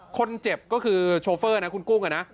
คนเจ็บก็คือโชเฟอร์นะคุณกุ้งอะนะ